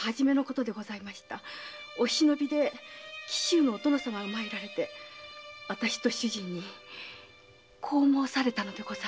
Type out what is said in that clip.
お忍びで紀州のお殿様が参られて私と主人にこう申されたのでございます。